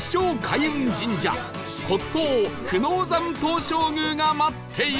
開運神社国宝久能山東照宮が待っている